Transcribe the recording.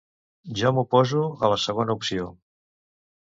Jo m'oposo a la segona opció.